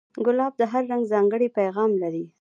ګلاب د هر رنگ ځانګړی پیغام لري.